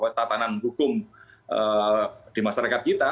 dan pada tatanan hukum di masyarakat kita